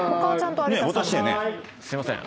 すいません。